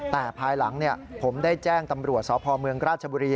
แต่ภายหลังผมได้แจ้งตำรวจสพเมืองราชบุรี